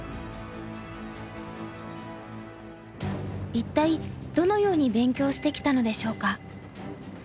一体どのように勉強してきたのでしょうか？